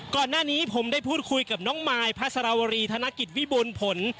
ก่อนหน้านี้ผมได้พูดคุยกับน้องมายพระสรวรีธนกิจวิบูรณ์ผล